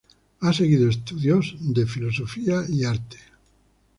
Ha seguido estudios de Filosofía y Arte.